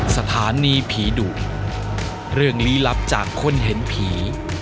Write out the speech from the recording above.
สถานีผีดุเรื่องลี้ลับจากคนเห็นผี